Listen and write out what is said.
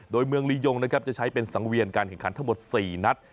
โดยเมืองลียงนะครับจะใช้เป็นสังเวียนการแข่งขันทั้งหมด๔นัด